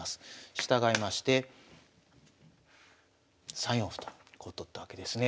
従いまして３四歩とこう取ったわけですね。